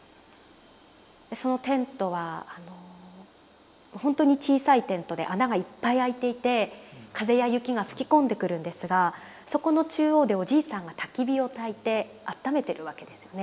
そのテントは本当に小さいテントで穴がいっぱい開いていて風や雪が吹き込んでくるんですがそこの中央でおじいさんがたき火をたいて暖めてるわけですよね。